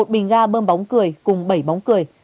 một bình ga bơm bóng cười cùng bảy bóng cười